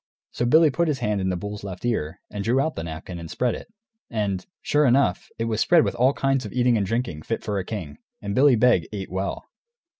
So Billy put his hand in the bull's left ear, and drew out the napkin, and spread it; and, sure enough, it was spread with all kinds of eating and drinking, fit for a king. And Billy Beg ate well.